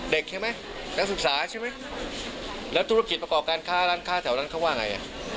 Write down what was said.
ใช่ไหมนักศึกษาใช่ไหมแล้วธุรกิจประกอบการค้าร้านค้าแถวนั้นเขาว่าไง